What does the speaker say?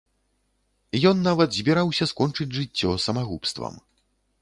Ён нават збіраўся скончыць жыццё самагубствам.